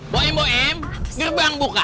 boem boem gerbang buka